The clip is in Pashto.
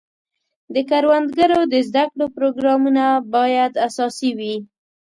د کروندګرو د زده کړو پروګرامونه باید اساسي وي.